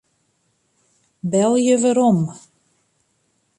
Belje werom.